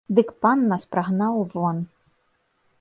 Дык пан нас прагнаў вон.